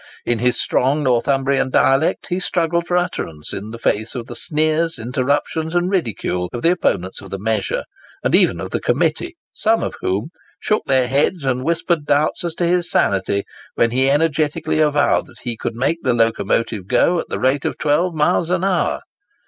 In his strong Northumbrian dialect, he struggled for utterance, in the face of the sneers, interruptions, and ridicule of the opponents of the measure, and even of the Committee, some of whom shook their heads and whispered doubts as to his sanity, when he energetically avowed that he could make the locomotive go at the rate of 12 miles an hour!